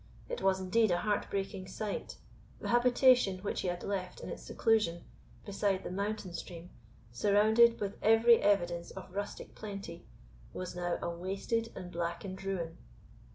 It was indeed a heart breaking sight. The habitation which he had left in its seclusion, beside the mountain stream, surrounded with every evidence of rustic plenty, was now a wasted and blackened ruin.